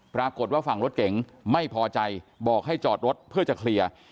ปรากฏว่าฝั่งรถเก๋งไม่พอใจบอกให้จอดรถเพื่อจะเคลียร์